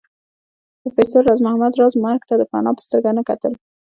پروفېسر راز محمد راز مرګ ته د فناء په سترګه نه کتل